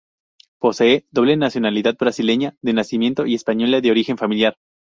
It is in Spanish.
Posee doble nacionalidad, brasileña de nacimiento y española de origen familiar.